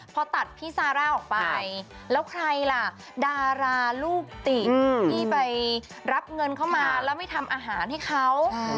พอตัดพี่ซาร่าออกไปแล้วใครล่ะดาราลูกติที่ไปรับเงินเข้ามาแล้วไม่ทำอาหารให้เขา